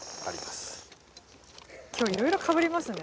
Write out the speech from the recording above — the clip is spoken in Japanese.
今日いろいろかぶりますね。